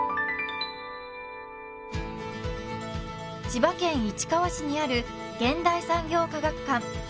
千葉県市川市にある現代産業科学館